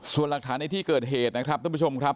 ส่วนหลักฐานในที่เกิดเหตุนะครับท่านผู้ชมครับ